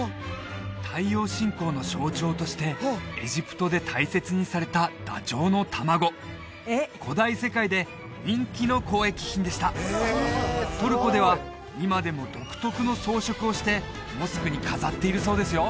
太陽信仰の象徴としてエジプトで大切にされたダチョウの卵古代世界で人気の交易品でしたトルコでは今でも独特の装飾をしてモスクに飾っているそうですよ